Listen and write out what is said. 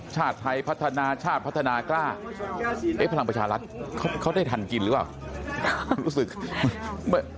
ชาติไทยพัฒนาชาติพัฒนากล้าเอ๊ะพลังประชารัฐเขาได้ทันกินหรือเปล่า